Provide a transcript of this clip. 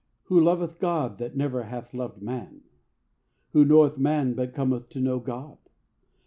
Who loveth God that never hath loved man? Who knoweth man but cometh to know God?